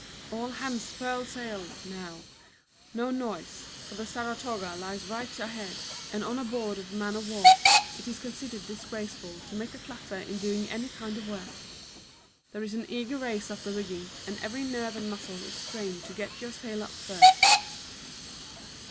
"All hands furl sail," now; no noise, for the Saratoga lies right ahead, and on board of a man of war it is considered disgraceful to make a clatter in doing any kind of work. There is an eager race up the rigging, and every nerve and muscle is strained to get your sail up first.